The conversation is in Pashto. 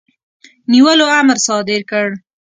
نیولو امر صادر کړ.